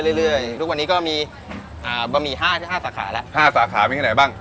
เรื่อยทุกวันนี้ก็มีอ่าบะหมี่ห้าสาขาแล้วห้าสาขามีแค่ไหนบ้าง